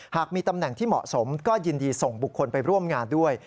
หากมีตำแหน่งที่เหมาะสมก็ยินดีส่งบุคคลไปร่วมงานด้วย